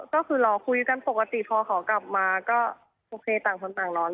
ก็คือรอคุยกันปกติพอเขากลับมาก็โอเคต่างคนต่างนอน